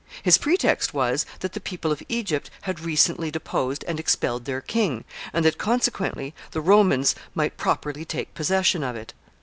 His pretext was, that the people of Egypt had recently deposed and expelled their king, and that, consequently, the Romans might properly take possession of it.